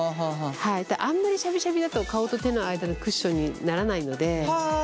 あんまりシャビシャビだと顔と手の間のクッションにならないので。